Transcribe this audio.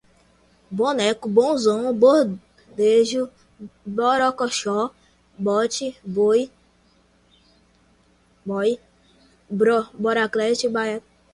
boneco, bonzão, bordejo, borocochô, bote, boy, bracelete, braiado, permutado